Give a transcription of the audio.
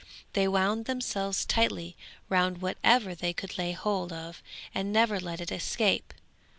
They wound themselves tightly round whatever they could lay hold of and never let it escape.